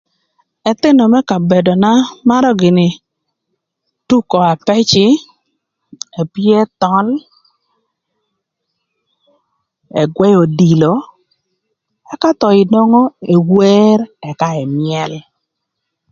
Ëthïnö më kabedona marö gïnï tuko apëcï epyeo thöl ëgwëö odilo ëka thon nwongo ewer ëka ëmyël.